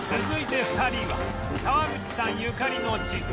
続いて２人は沢口さんゆかりの地